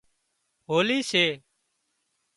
هولِي سي